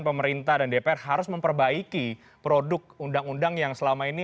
pemerintah dan dpr harus memperbaiki produk undang undang yang selama ini